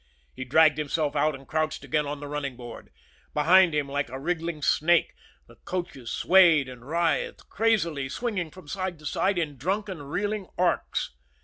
He dragged himself out and crouched again on the running board. Behind him, like a wriggling snake, the coaches swayed and writhed crazily, swinging from side to side in drunken, reeling arcs.